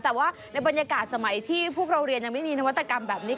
แต่ว่าในบรรยากาศสมัยที่พวกเราเรียนยังไม่มีนวัตกรรมแบบนี้